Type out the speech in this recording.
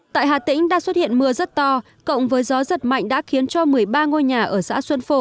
tại hà tĩnh đã xuất hiện mưa rất to cộng với gió giật mạnh đã khiến cho một mươi ba ngôi nhà ở xã xuân phổ